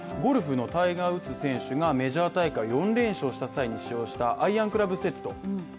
ゴルフのタイガー・ウッズ選手がメジャー大会４連勝した際に使用したアイアンクラブセット